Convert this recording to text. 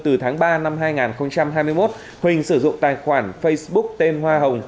từ tháng ba năm hai nghìn hai mươi một huỳnh sử dụng tài khoản facebook tên hoa hồng